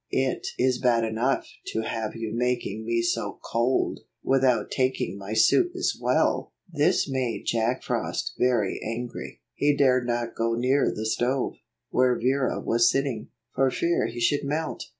It is bad enough to have you making me so cold, without taking my soup as well." This made Jack Frost very angry. He dared not go near the stove, where Vera was sitting, for fear he should melt.